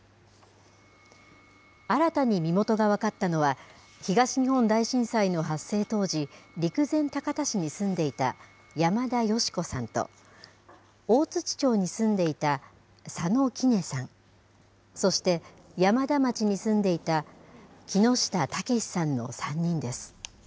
新たに身元が分かったのは、東日本大震災の発生当時、陸前高田市に住んでいた山田ヨシ子さんと、大槌町に住んでいた佐野キネさん、そして山田町に住んでいた木下健さんの３人です。